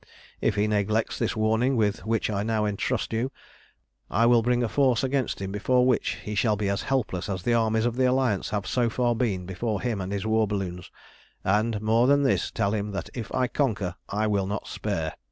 "If he neglects this warning with which I now entrust you, I will bring a force against him before which he shall be as helpless as the armies of the Alliance have so far been before him and his war balloons; and, more than this, tell him that if I conquer I will not spare.